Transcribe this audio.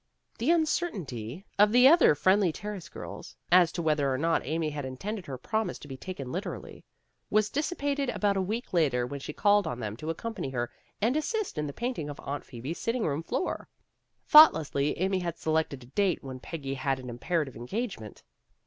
The uncertainty of the other Friendly Ter 52 PEGGY RAYMOND'S WAY race girls, as to whether or not Amy had in tended her promise to be taken literally, was dissipated about a week later when she called on them to accompany her and assist in the painting of Aunt Phoebe's sitting room floor. Thoughtlessly Amy had selected a date when Peggy had an imperative engagement.